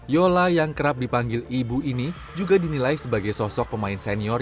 yola yang kerap dipanggil ibu ini juga dinilai sebagai sosok pemain senior